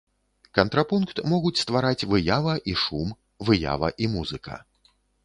Кантрапункт могуць ствараць выява і шум, выява і музыка.